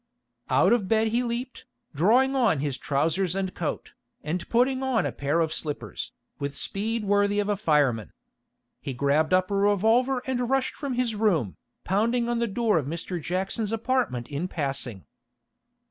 Out of bed he leaped, drawing on his trousers and coat, and putting on a pair of slippers, with speed worthy of a fireman. He grabbed up a revolver and rushed from his room, pounding on the door of Mr. Jackson's apartment in passing.